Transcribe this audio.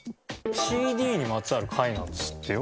ＣＤにまつわる回なんですってよ